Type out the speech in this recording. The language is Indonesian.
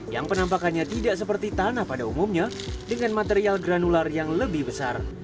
yang penampakannya tidak seperti tanah pada umumnya dengan material granular yang lebih besar